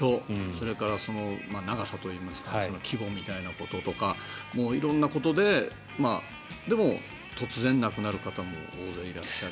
それから長さといいますか規模みたいなこととか色んなことででも、突然亡くなる方も大勢いらっしゃる。